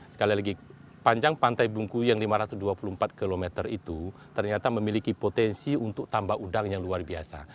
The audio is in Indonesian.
sekali lagi panjang pantai bungku yang lima ratus dua puluh empat km itu ternyata memiliki potensi untuk tambah udang yang luar biasa